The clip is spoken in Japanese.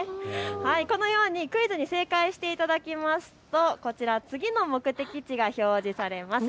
このようにクイズに正解していただきますと次の目的地が表示されます。